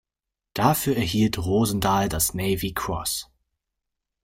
Dafür erhielt Rosendahl das "Navy Cross".